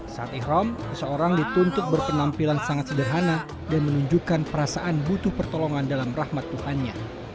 saat ikhram seseorang dituntut berpenampilan sangat sederhana dan menunjukkan perasaan butuh pertolongan dalam rahmat tuhannya